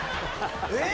えっ？